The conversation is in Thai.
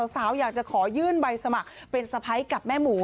สาวอยากจะขอยื่นใบสมัครเป็นสะพ้ายกับแม่หมู